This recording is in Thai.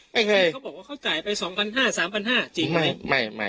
ไม่เคยเขาบอกว่าเขาจ่ายไปสองพันห้าสามพันห้าจริงไหมไม่ไม่ไม่